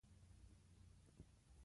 د موسیقۍ مختلف ډولونه شته.